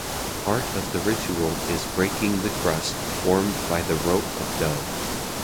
Part of the ritual is breaking the crust formed by the rope of dough.